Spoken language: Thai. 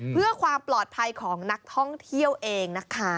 เพื่อความปลอดภัยของนักท่องเที่ยวเองนะคะ